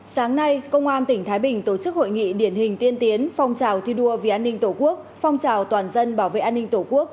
sáng nay công an tỉnh thái bình tổ chức hội nghị điển hình tiên tiến phong trào thi đua vì an ninh tổ quốc phong trào toàn dân bảo vệ an ninh tổ quốc